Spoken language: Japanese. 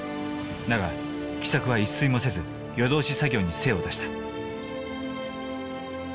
だが喜作は一睡もせず夜通し作業に精を出した。